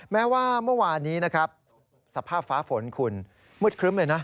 แม้ว่าเมื่อวานี้สภาพฟ้าฝนขุนมืดครึ้มเลยนะ